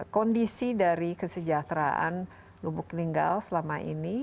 kondisi dari kesejahteraan lubuk linggau selama ini